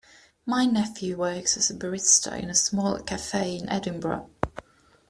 My nephew works as a barista in a small cafe in Edinburgh.